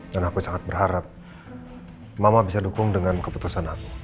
dan aku sangat berharap mama bisa dukung dengan keputusan aku